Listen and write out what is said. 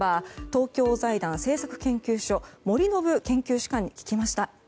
東京財団政策研究所森信研究主幹に聞きました。